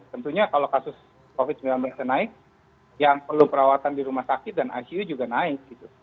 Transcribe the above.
tentunya kalau kasus covid sembilan belas nya naik yang perlu perawatan di rumah sakit dan icu juga naik gitu